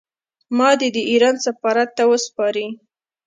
ما دې د ایران سفارت ته وسپاري.